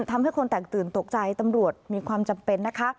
ทำให้คนแตกตื่นตกใจตำรวจมีความจำเป็นนะคะ